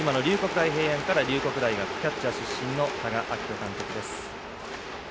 大平安から龍谷大学キャッチャー出身の多賀章仁監督です。